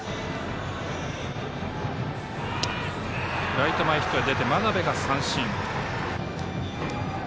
ライト前ヒットで出て真鍋が三振。